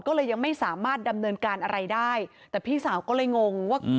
ก็เลยยังไม่สามารถดำเนินการอะไรได้แต่พี่สาวก็เลยงงว่า